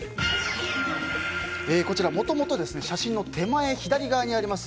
こちらもともと写真の手前、左側にあります